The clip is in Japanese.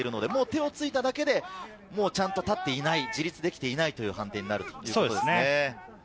手をついただけで、ちゃんと立っていない、自立できていないという判定になるんですね。